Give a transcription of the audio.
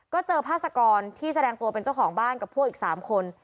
ก็เจอภาษกรที่แสดงตัวเป็นเจ้าของบ้านกับพวกอีก๓คน